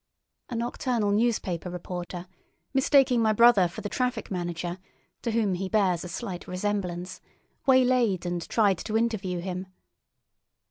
A nocturnal newspaper reporter, mistaking my brother for the traffic manager, to whom he bears a slight resemblance, waylaid and tried to interview him.